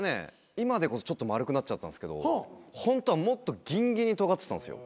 今でこそちょっと丸くなっちゃったんですけどホントはもっとギンギンにとがってたんですよ。